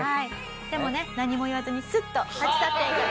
でもね何も言わずにスッと立ち去っていく。